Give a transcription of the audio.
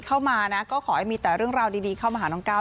แล้วถ้าว่างเขาชวนอยู่แล้วครับ